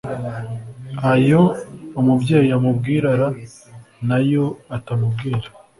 ayo umubyeyi amubwirara nayo atamubwira